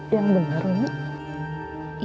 yang benar umi